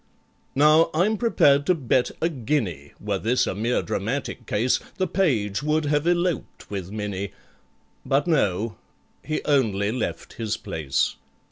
Now I'm prepared to bet a guinea, Were this a mere dramatic case, The page would have eloped with MINNIE, But, no—he only left his place.